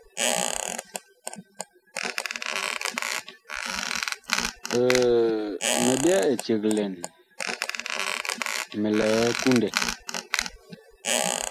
Mi byɛɛ eceg lɛn, mi lɛ kundɛ.